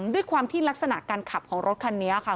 ด้วยความที่ลักษณะการขับของรถคันนี้ค่ะ